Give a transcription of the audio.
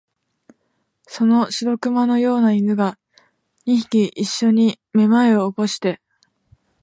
その白熊のような犬が、二匹いっしょにめまいを起こして、